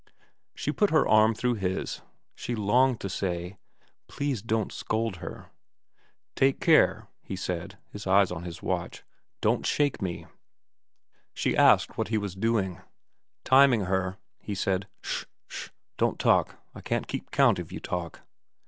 She put her arm through his. She longed to say, ' Please don't scold her.' ' Take care,' he said, his eyes on his watch. ' Don't shake me ' She asked what he was doing. * Timing her,' he said. ' Sh sh don't talk. I can't keep count if you talk.'